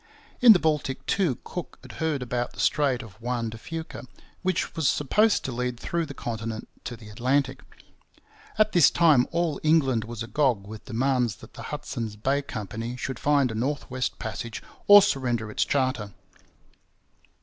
In the Baltic, too, Cook had heard about the strait of Juan de Fuca, which was supposed to lead through the continent to the Atlantic. At this time all England was agog with demands that the Hudson's Bay Company should find a North West Passage or surrender its charter.